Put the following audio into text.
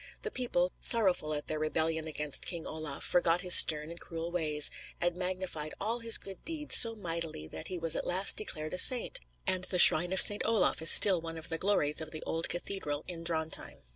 The people, sorrowful at their rebellion against King Olaf, forgot his stern and cruel ways, and magnified all his good deeds so mightily that he was at last declared a saint, and the shrine of Saint Olaf is still one of the glories of the old cathedral in Drontheim.